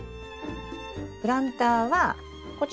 プランターはこちら。